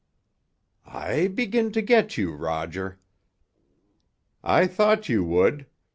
"I begin to get you, Roger." "I thought you would.